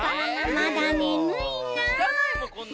まだねむいな。